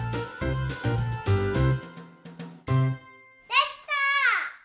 できた！